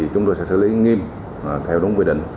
chúng tôi sẽ xử lý nghiêm theo đúng quy định